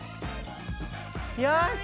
よし！